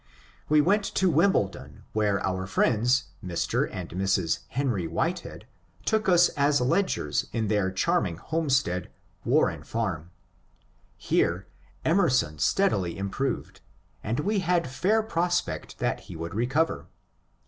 We went to Wimbledon, where our friends Mr. and Mrs. Henry Whitehead took us as lodgers in their charming home stead, Warren Farm. Here Emerson steadily improved, and we had fair prospect that he would recover.